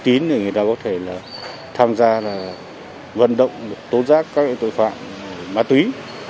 chính là người ta có thể là tham gia là vận động tố giác các tội phạm ma túy